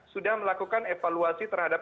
sudah melakukan evaluasi terhadap